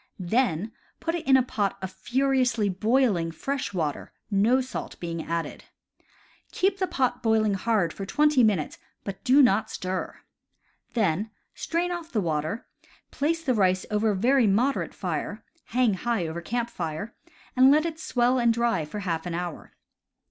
Then put it in a pot of furiously boiling fresh water, no salt being added. Keep the pot boiling hard for twenty minutes, but do not stir. Then strain off the water, place the rice over a very moderate fire (hang high over camp fire), and let it swell and dry for half an hour.